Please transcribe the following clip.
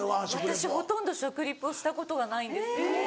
私ほとんど食リポしたことがないんです。